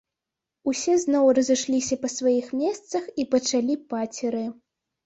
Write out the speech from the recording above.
Усе зноў разышліся па сваіх месцах і пачалі пацеры.